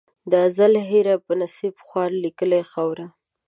د ازل هېره په نصیب خواره لیکلې خاوره